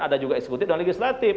ada juga eksekutif dan legislatif